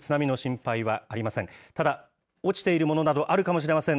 ただ、落ちているものなどあるかもしれません。